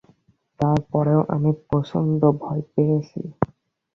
তার পরেও আমি প্রচণ্ড ভয় পেয়েছি।